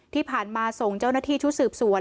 ที่ผ่านมาส่งเจ้าหน้าที่ชุดสืบสวน